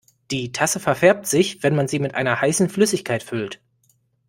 Die Tasse verfärbt sich, wenn man sie mit einer heißen Flüssigkeit füllt.